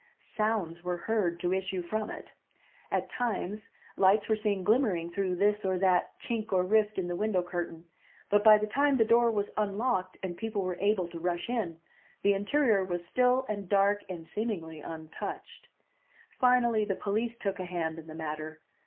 Sounds were heard to issue from it. At times lights were seen glimmering through this or that chink or rift in the window curtain, but by the time the door was unlocked and people were able to rush in, the interior was still and dark and seemingly untouched. Finally the police took a hand in the matter.